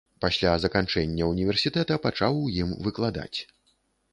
Пасля заканчэння ўніверсітэта пачаў у ім выкладаць.